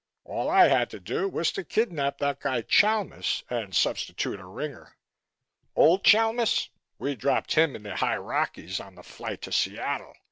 All I had to do was to kidnap that guy Chalmis and substitute a ringer. Old Chalmis? We dropped him in the High Rockies on the flight to Seattle.